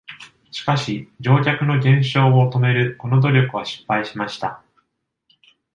しかし、乗客の減少を止めるこの努力は失敗しました。